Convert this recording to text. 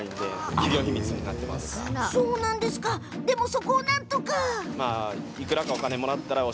そこをなんとか！